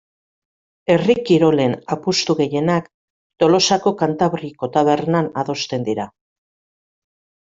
Herri kirolen apustu gehienak Tolosako Kantabriko tabernan adosten dira.